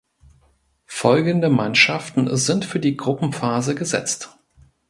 Folgende Mannschaften sind für die Gruppenphase gesetzt.